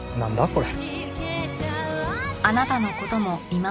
これ。